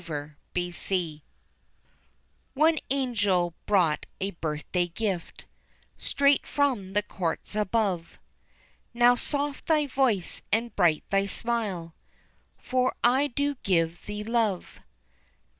Her Dower One angel brought a birth day gift, Straight from the courts above, "Now soft thy voice, and bright thy smile, For I do give thee Love."